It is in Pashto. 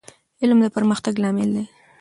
علم د پرمختګ لامل دی.